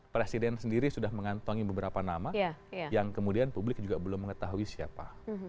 presiden sendiri sudah mengantongi beberapa nama yang kemudian publik juga belum mengetahui siapa